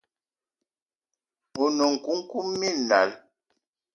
One nkoukouma minal